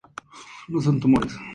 No son tumores.